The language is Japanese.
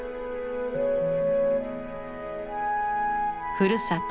ふるさと